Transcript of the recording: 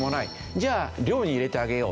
「じゃあ寮に入れてあげよう」。